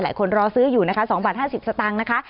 รอซื้ออยู่นะคะ๒บาท๕๐สตางค์นะคะ